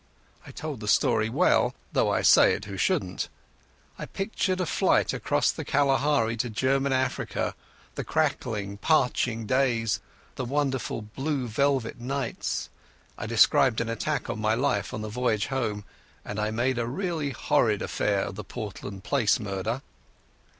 I told the story well, though I say it who shouldn't. I pictured a flight across the Kalahari to German Africa, the crackling, parching days, the wonderful blue velvet nights. I described an attack on my life on the voyage home, and I made a really horrid affair of the Portland Place murder.